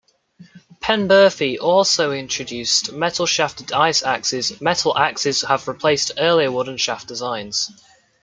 Penberthy also introduced metal-shafted ice axes; metal axes have replaced earlier wooden-shaft designs.